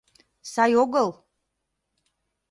— Сай огыл?